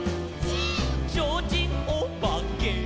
「ちょうちんおばけ」「」